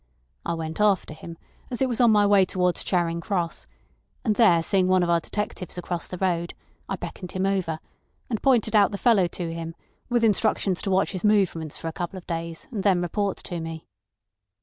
I went after him, as it was on my way towards Charing Cross, and there seeing one of our detectives across the road, I beckoned him over, and pointed out the fellow to him, with instructions to watch his movements for a couple of days, and then report to me.